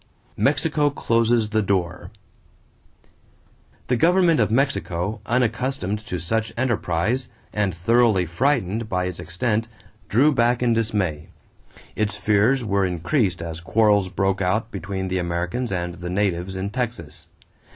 =Mexico Closes the Door.= The government of Mexico, unaccustomed to such enterprise and thoroughly frightened by its extent, drew back in dismay. Its fears were increased as quarrels broke out between the Americans and the natives in Texas.